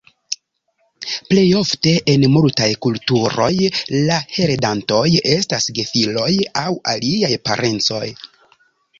Plej ofte en multaj kulturoj la heredantoj estas gefiloj aŭ aliaj parencoj.